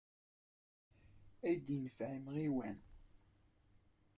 Aya ad yenfeɛ amɣiwan.